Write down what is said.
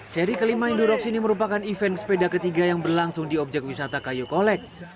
seri kelima indurox ini merupakan event sepeda ketiga yang berlangsung di objek wisata kayu kolek